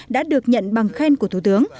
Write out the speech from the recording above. đã được nhận bằng khen của thủ tướng